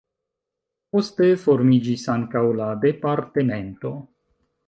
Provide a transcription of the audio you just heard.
Poste formiĝis ankaŭ la departemento.